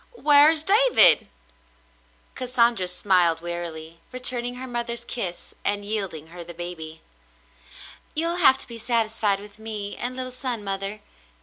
"Whar's David .^'; Cassandra smiled wearily, returning her mother's kiss and yielding her the baby. "You'll have to be satisfied with me and little son, mother.